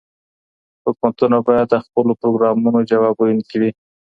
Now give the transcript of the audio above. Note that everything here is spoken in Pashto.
حکومتونه بايد د خپلو پروګرامونو جواب ويونکي وي.